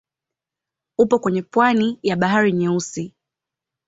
Upo kwenye pwani ya Bahari Nyeusi.